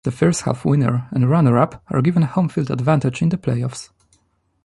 The first half winner and runner-up are given home-field advantage in the playoffs.